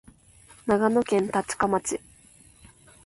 長野県立科町